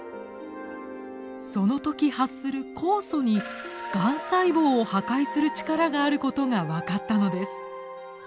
そのとき発する酵素にがん細胞を破壊する力があることが分かったのです。